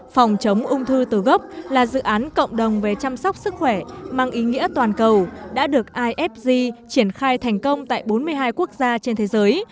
phòng chống ung thư từ gốc là dự án cộng đồng về chăm sóc sức khỏe mang ý nghĩa toàn cầu đã được ifg triển khai thành công tại bốn mươi hai quốc gia trên thế giới